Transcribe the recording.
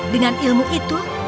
dengan ilmu itu